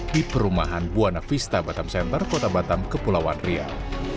di perumahan buana vista batam center kota batam kepulauan riau